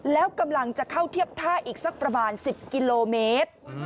แล้วกำลังจะเข้าเทียบท่าอีกสักประมาณ๑๐กิโลเมตร